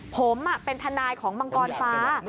ผมเป็นทนายของมังกรฟ้า